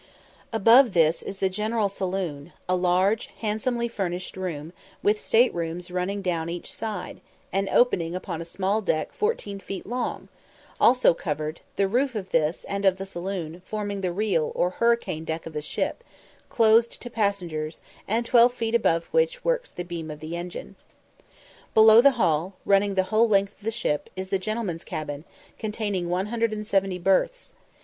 Above this is the general saloon, a large, handsomely furnished room, with state rooms running down each side, and opening upon a small deck fourteen feet long, also covered; the roof of this and of the saloon, forming the real or hurricane deck of the ship, closed to passengers, and twelve feet above which works the beam of the engine. Below the Hall, running the whole length of the ship, is the gentlemen's cabin, containing 170 berths.